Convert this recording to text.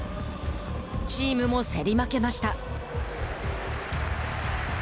チームも競り負けました。